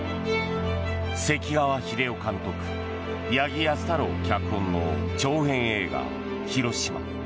関川秀雄監督、八木保太郎脚本の長編映画「ひろしま」。